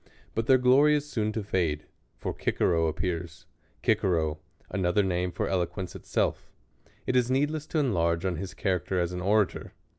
Btit their glor}' is soon to fade ; for Cicero appears ; Cicero, another name for eloquence itself. Jt is needless to enlarge on his character a« an orator.